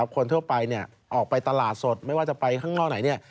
คนทั่วไปออกไปตลาดสดไม่ว่าจะไปข้างนอกไหน